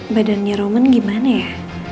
badannya roman gimana ya